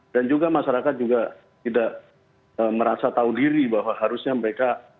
dan juga masyarakat juga tidak merasa tahu diri bahwa harusnya mereka